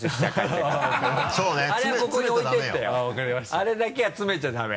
あれだけは詰めちゃダメ。